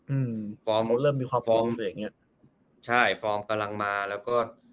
อืมฟอร์มเริ่มมีความฟอร์มอะไรอย่างเงี้ยใช่ฟอร์มกำลังมาแล้วก็